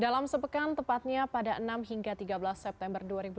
dalam sepekan tepatnya pada enam hingga tiga belas september dua ribu dua puluh